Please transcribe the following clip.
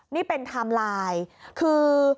นี่เป็นไทม์ไลน์คือ